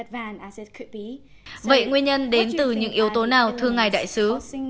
vậy nguyên nhân đến từ những yếu tố nào thưa ngài đại sứ